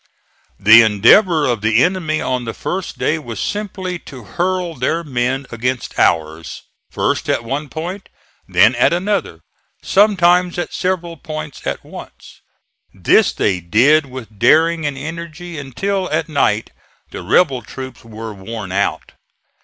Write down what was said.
The endeavor of the enemy on the first day was simply to hurl their men against ours first at one point, then at another, sometimes at several points at once. This they did with daring and energy, until at night the rebel troops were worn out.